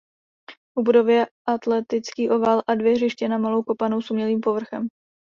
U budovy je atletický ovál a dvě hřiště na malou kopanou s umělým povrchem.